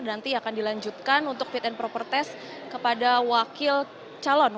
nanti akan dilanjutkan untuk fit and proper test kepada wakil calon